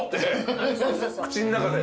口ん中で。